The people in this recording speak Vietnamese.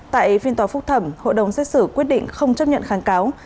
tại phiên tòa phúc thẩm hội đồng xét xử quyết định không chấp nhận kháng cáo